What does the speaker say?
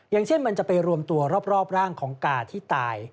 อย่างเช่นมันจะไปรวมตัวรอบร่างของกาที่ตาย